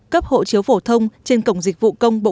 cấp hộ chiếu phổ thông trên cổng dịch vụ công trực tuyến